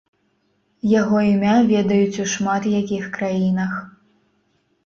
Яго імя ведаюць у шмат якіх краінах.